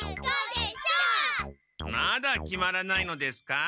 まだ決まらないのですか？